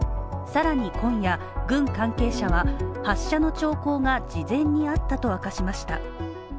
さらに今夜、軍関係者は発射の兆候が事前にあったと明かしました。